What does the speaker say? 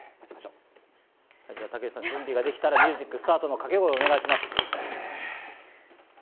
竹内さん、準備ができたらミュージックスタートの掛け声をお願いします。